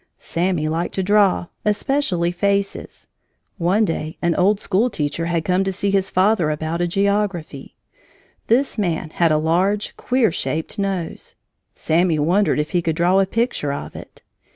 Sammy liked to draw, especially faces! One day an old school teacher had come to see his father about a geography. This man had a large, queer shaped nose. Sammy wondered if he could draw a picture of it.